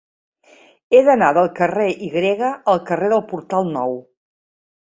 He d'anar del carrer Y al carrer del Portal Nou.